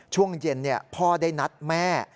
ช่วงเย็นพ่อได้นัดแม่